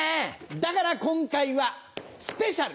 だから今回はスペシャル！